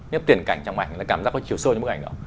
nếu tiền cảnh trong ảnh là cảm giác có chiều sôi trong bức ảnh đó